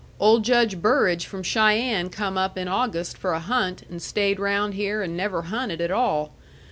Old Judge Burrage from Cheyenne come up in August for a hunt and stayed round here and never hunted at all.